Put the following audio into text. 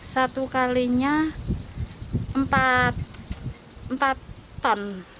satu kalinya empat ton